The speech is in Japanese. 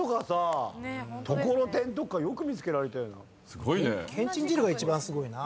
すごいね。「巻繊汁」が一番すごいな。